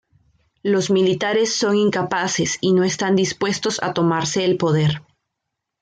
Los militares son incapaces y no están dispuestos a tomarse el poder.